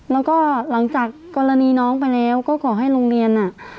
แล้วก็หลังจากกรณีน้องไปแล้วก็ขอให้โรงเรียนอ่ะ